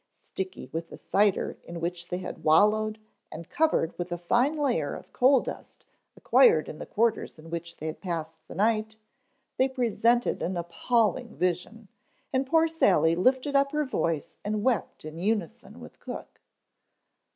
Sticky with the cider in which they had wallowed and covered with a fine layer of coal dust acquired in the quarters in which they had passed the night, they presented an appalling vision, and poor Sally lifted up her voice and wept in unison with cook.